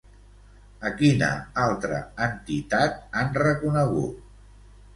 A quina altra entitat han reconegut?